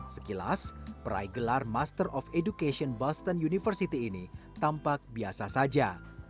sekilas peraih gelar master of education boston university ini tampak biasa saja